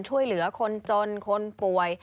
ช่วยเหลือคนจนคนป่วย